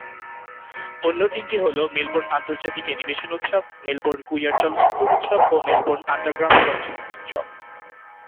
অন্য তিনটি হল মেলবোর্ন আন্তর্জাতিক অ্যানিমেশন উৎসব, মেলবোর্ন কুইয়ার চলচ্চিত্র উৎসব ও মেলবোর্ন আন্ডারগ্রাউন্ড চলচ্চিত্র উৎসব।